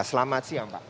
selamat siang pak